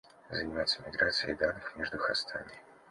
Заниматься миграцией данных между хостами